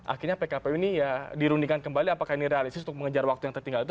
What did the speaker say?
akhirnya pkpu ini ya dirundingan kembali apakah ini realistis untuk mengejar warga ini atau tidak